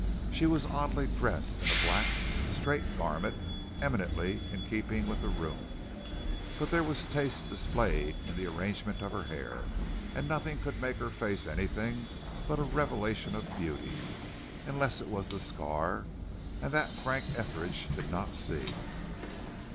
She was oddly dressed in a black, straight garment, eminently in keeping with the room; but there was taste displayed in the arrangement of her hair, and nothing could make her face anything but a revelation of beauty, unless it was the scar, and that Frank Etheridge did not see.